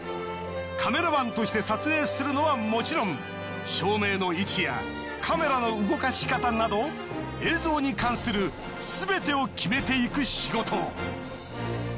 カメラマンとして撮影するのはもちろん照明の位置やカメラの動かし方など映像に関するすべてを決めていく仕事。